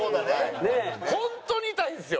本当に痛いんですよ！